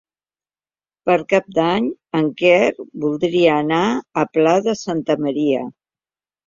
Per Cap d'Any en Quer voldria anar al Pla de Santa Maria.